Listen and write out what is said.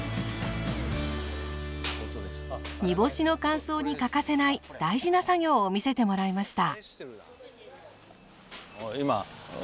煮干しの乾燥に欠かせない大事な作業を見せてもらいました。